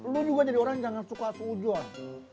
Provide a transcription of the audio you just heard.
lo juga jadi orang yang jangan suka sujud